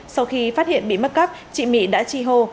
sau khi phát hiện bị mất cắp chị mỹ đã chi hô